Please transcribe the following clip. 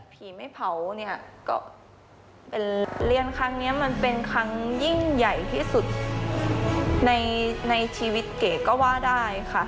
ไม่เผาเนี่ยก็เป็นเรียนครั้งนี้มันเป็นครั้งยิ่งใหญ่ที่สุดในชีวิตเก๋ก็ว่าได้ค่ะ